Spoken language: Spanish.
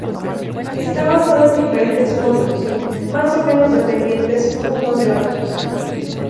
Está basado en diferentes módulos más o menos dependientes unos de otros.